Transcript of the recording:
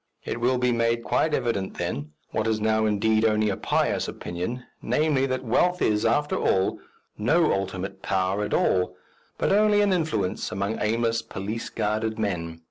It will be made quite evident then, what is now indeed only a pious opinion, namely, that wealth is, after all, no ultimate Power at all, but only an influence among aimless, police guarded men.